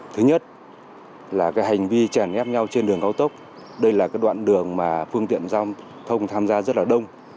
thứ nhất là cái hành vi chèn ép nhau trên đường cao tốc đây là cái đoạn đường mà phương tiện giao thông tham gia rất là đông